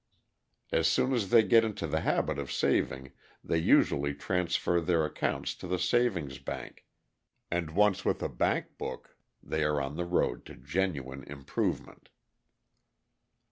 As soon as they get into the habit of saving they usually transfer their accounts to the savings bank and once with a bank book, they are on the road to genuine improvement.